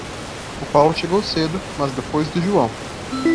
O Paulo chegou cedo, mas depois do João.